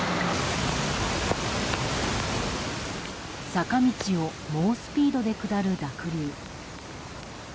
坂道を猛スピードで下る濁流。